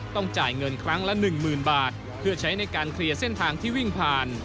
ต้องจ่ายเงินครั้งละหนึ่งหมื่นบาทเพื่อใช้ในการเคลียร์เส้นทางที่วิ่งผ่าน